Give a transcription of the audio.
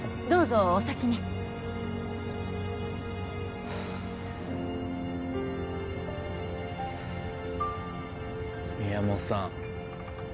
どうぞお先にはあ宮本さん